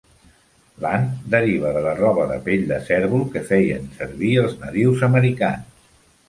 L'ant deriva de la roba de pell de cérvol que feien servir els nadius americans.